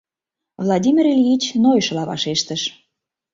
— Владимир Ильич нойышыла вашештыш.